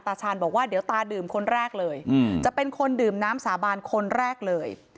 ชาญบอกว่าเดี๋ยวตาดื่มคนแรกเลยจะเป็นคนดื่มน้ำสาบานคนแรกเลย